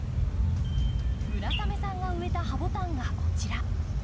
村雨さんが植えたハボタンがこちら。